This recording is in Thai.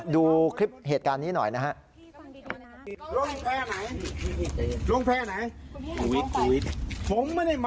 ดูคลิปเหตุการณ์นี้หน่อยนะฮะ